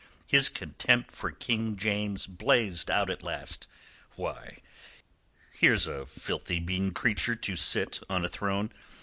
His contempt for King James blazed out at last. "Why, here's a filthy mean creature to sit on a throne.